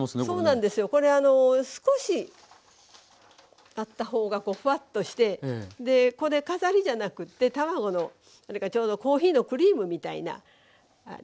そうなんですよこれ少しあった方がフワッとしてこれ飾りじゃなくって卵のちょうどコーヒーのクリームみたいな。